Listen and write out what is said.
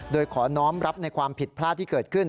โดยขอน้องรับในความผิดพลาดที่เกิดขึ้น